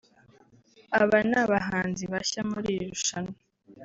Aba ni abahanzi bashya muri iri rushanwa